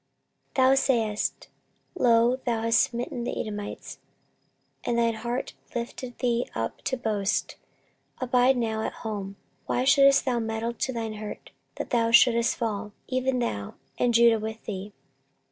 14:025:019 Thou sayest, Lo, thou hast smitten the Edomites; and thine heart lifteth thee up to boast: abide now at home; why shouldest thou meddle to thine hurt, that thou shouldest fall, even thou, and Judah with thee?